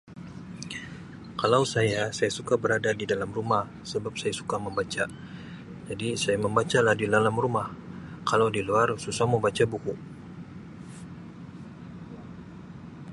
Kalau saya, saya suka berada di dalam rumah sebab saya suka membaca jadi saya membaca lah di dalam rumah, kalau di luar susah mau baca buku.